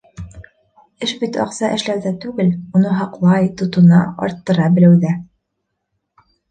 Эш бит аҡса эшләүҙә түгел, уны һаҡлай, тотона, арттыра белеүҙә.